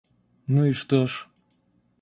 Ну, и что ж?